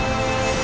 saya terima kasih